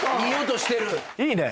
いいね。